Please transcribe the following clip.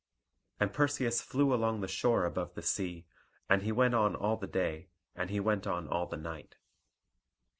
And Perseus flew along the shore above the sea; and he went on all the day; and he went on all the night.